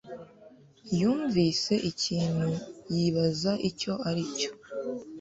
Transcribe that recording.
yumvise ikintu yibaza icyo aricyo.